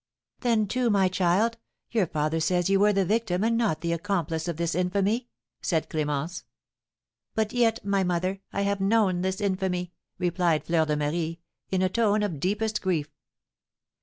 "Then, too, my child, your father says you were the victim and not the accomplice of this infamy," said Clémence. "But yet, my mother, I have known this infamy!" replied Fleur de Marie, in a tone of deepest grief.